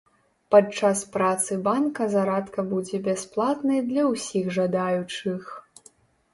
Падчас працы банка зарадка будзе бясплатнай для ўсіх жадаючых.